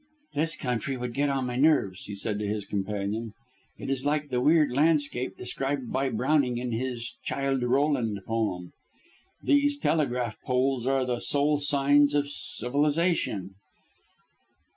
"This country would get on my nerves," he said to his companion. "It is like the weird landscape described by Browning in his Childe Roland poem. Those telegraph poles are the sole signs of civilisation."